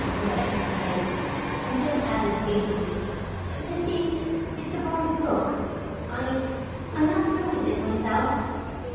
Madge exclaimed and then added hastily: "You see, it's a borrowed book. I—I'm not through with it myself."